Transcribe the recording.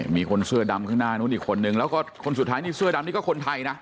มีคนเสื้อดำข้างหน้านู้นอีกคนนึงแล้วก็คนสุดท้ายนี่เสื้อดำนี่ก็คนไทยนะ